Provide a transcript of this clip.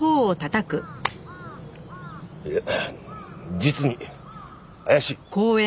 いや実に怪しい！